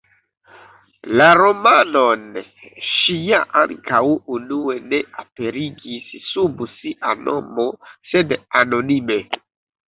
La romanon ŝi ja ankaŭ unue ne aperigis sub sia nomo, sed anonime.